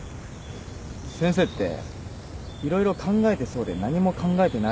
先生って色々考えてそうで何も考えてないよな。